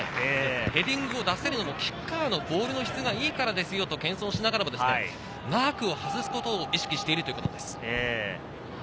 ヘディングを出せるのもキッカーのボールの質がいいからですよと謙遜しながらも、マークを外すことを意識しているということです。